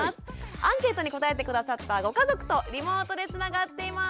アンケートに答えて下さったご家族とリモートでつながっています。